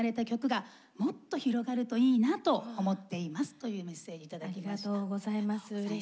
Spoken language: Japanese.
というメッセージ頂きました。